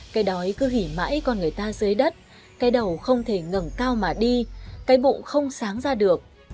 cây đói cứ hỉ mãi còn người ta dưới đất cây đầu không thể ngẩn cao mà đi cây bụng không sáng ra được